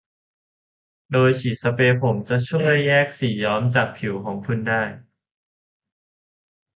โดยสเปรย์ฉีดผมจะช่วยแยกสีย้อมจากผิวของคุณได้